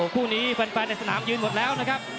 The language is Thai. คู่นี้แฟนในสนามยืนหมดแล้วนะครับ